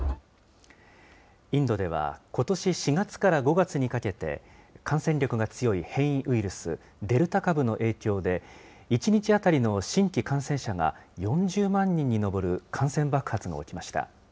インドではことし４月から５月にかけて、感染力が強い変異ウイルス、デルタ株の影響で、１日当たりの新規感染者が、４０万人に上る感染爆発が起きました。